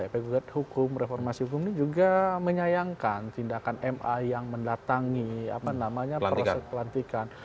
pegugat hukum reformasi hukum ini juga menyayangkan tindakan ma yang mendatangi proses pelantikan